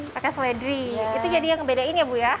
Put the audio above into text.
pakai seledri itu jadi yang ngebedain ya bu ya